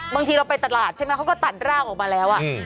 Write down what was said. บางทีเราไปตลาดใช่ไหมเขาก็ตัดร่างออกมาแล้ว